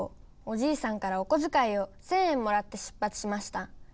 おじいさんからおこづかいを１，０００円もらって出発しました。